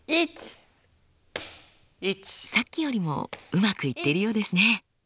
さっきよりもうまくいっているようですね。